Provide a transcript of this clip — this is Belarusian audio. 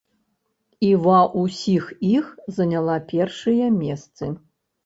І ва ўсіх іх заняла першыя месцы.